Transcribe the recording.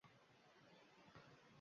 Jonni taslim etdi Sino…